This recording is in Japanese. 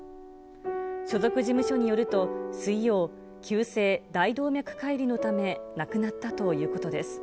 所属事務所によると、水曜、急性大動脈解離のため亡くなったということです。